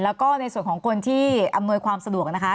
แล้วก็ในส่วนของคนที่อำนวยความสะดวกนะคะ